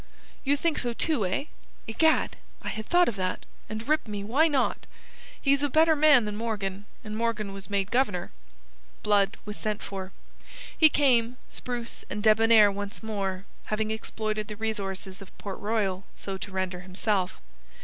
"You think so, too, eh? Egad! I had thought of it; and, rip me, why not? He's a better man than Morgan, and Morgan was made Governor." Blood was sent for. He came, spruce and debonair once more, having exploited the resources of Port Royal so to render himself.